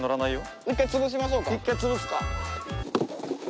一回潰すか。